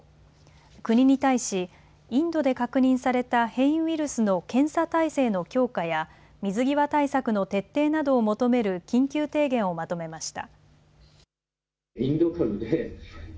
国に対し、インドで確認された変異ウイルスの検査体制の強化や水際対策の徹底などを求める緊急提言をまとめました。